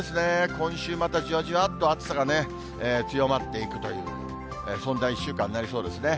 今週、またじわじわっと暑さが強まっていくという、そんな１週間になりそうですね。